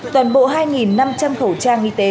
toàn bộ hai năm trăm linh khẩu trang y tế